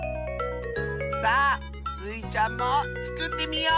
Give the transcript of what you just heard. さあスイちゃんもつくってみよう！